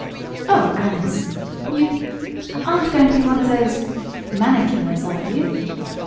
"Oh, Alice! You aren't going to be one of those manicures; are you?"